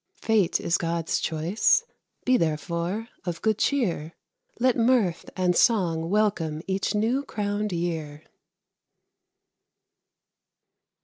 Fate is God's choice; be therefore of good cheer. Let mirth and song welcome each new crowned year.